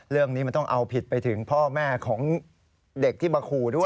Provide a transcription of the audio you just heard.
เรื่องนี้มันต้องเอาผิดไปถึงพ่อแม่ของเด็กที่มาขู่ด้วย